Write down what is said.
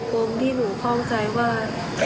ปมที่หนูคล่องใจว่า